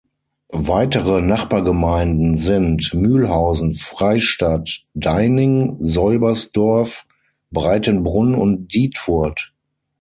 Weitere Nachbargemeinden sind: Mühlhausen, Freystadt, Deining, Seubersdorf, Breitenbrunn und Dietfurt.